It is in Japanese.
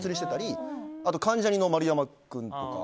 関ジャニの丸山君とか。